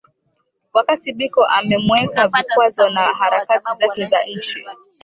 Wakati Biko wamemuwekea vikwazo na harakati zake za nchi